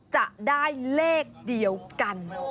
จะได้เลขเดียวกัน